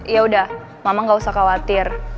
yaudah mama nggak usah khawatir